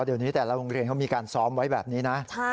เดี๋ยวนี้แต่ละโรงเรียนเขามีการซ้อมไว้แบบนี้นะ